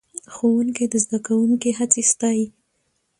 ښوونکی د زده کوونکو هڅې ستایي